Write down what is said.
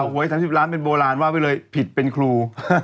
อ๋อกลับอยู่แล้วเว้ย๓๐ล้านบาทว่าไปเลยผิดเป็นคุณครู